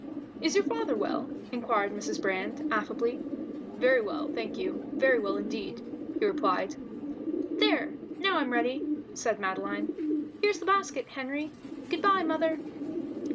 "Is your father well?" inquired Mrs. Brand, affably. "Very well, thank you, very well indeed," he replied "There; now I'm ready," said Madeline. "Here's the basket, Henry. Good bye, mother."